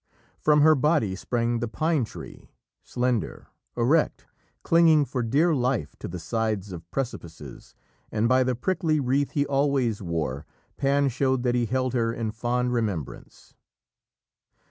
From her body sprang the pine tree, slender, erect, clinging for dear life to the sides of precipices, and by the prickly wreath he always wore, Pan showed that he held her in fond remembrance.